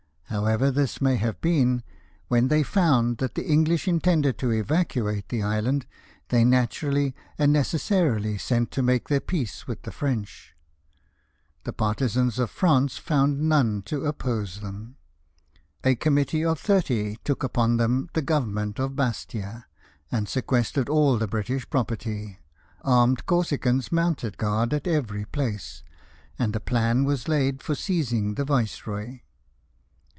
However this may have been, when they found that the EngUsh intended to evacuate the island, they naturally and necessarily sent to make their peace with the French.^ The partisans of France found none to oj)pose them. A committee of thirty took upon them the government of Bastia, and sequestered all the British property ; armed Corsicans mounted guard at every place; and a plan was laid for seizing the viceroy.